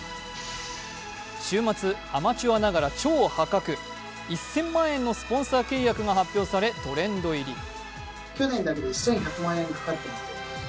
週末、アマチュアながら超破格、１０００万円のスポンサー契約が発表されトレンド入り。